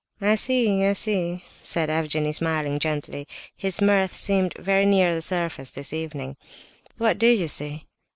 "I see, I see," said Evgenie, smiling gently. His mirth seemed very near the surface this evening. "What do you see?"